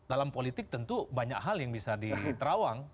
dalam politik tentu banyak hal yang bisa diterawang